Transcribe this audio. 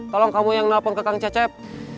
tolong kamu yang nelfon ke kang cecep